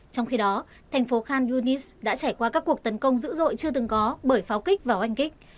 trong khi đó thành phố khanjounis đã trải qua các cuộc tấn công dữ dội chưa từng có bởi pháo kích và oanh kích